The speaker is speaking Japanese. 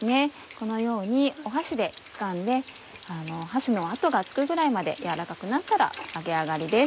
このように箸でつかんで箸の跡がつくぐらいまで軟らかくなったら揚げ上がりです。